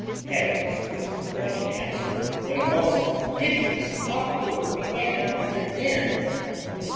Adams was going to answer, when a most hideous uproar began in the inn.